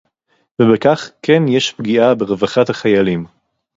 ובכך כן יש פגיעה ברווחת החיילים